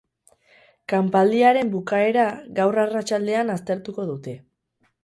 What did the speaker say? Kanpaldiaren bukaera gaur arratsaldean aztertuko dute.